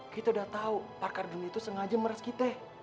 kita udah tau pak ardun itu sengaja meres kita